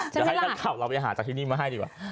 จะให้สัตว์ข่าวเราไปหาจากที่นี่มาให้ดีกว่า